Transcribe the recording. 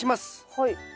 はい。